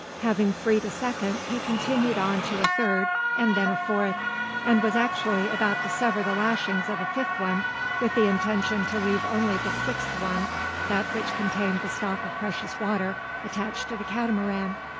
Having freed a second, he continued on to a third, and then a fourth, and was actually about to sever the lashings of a fifth one, with the intention to leave only the sixth one that which contained the stock of precious water attached to the Catamaran.